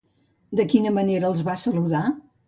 De quina manera els va saludar?